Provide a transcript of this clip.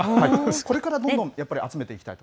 これからどんどん、やっぱり集めていきたいと。